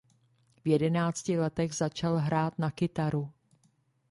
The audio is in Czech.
V jedenácti letech začal hrát na kytaru.